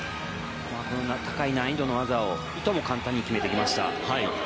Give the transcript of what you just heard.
高い難易度の技をいとも簡単に決めてきました。